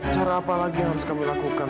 cara apalagi harus kamu lakukan